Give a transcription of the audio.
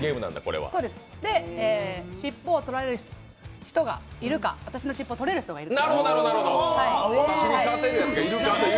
しっぽを取られる人がいるか私のしっぽを取れる人がいるか。